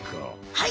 はい！